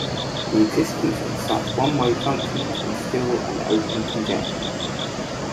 The existence of such one-way functions is still an open conjecture.